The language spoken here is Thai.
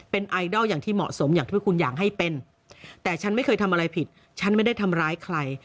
เป็นไอดอลอย่างที่เหมาะสมอย่างที่พวกคุณอยากให้เป็นแต่ฉันไม่เคยทำอะไรผิดฉันไม่ได้ทำร้ายใคร